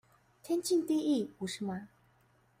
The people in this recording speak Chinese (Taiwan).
天經地義不是嗎？